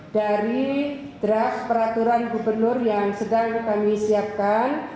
dari draft peraturan gubernur yang sedang kami siapkan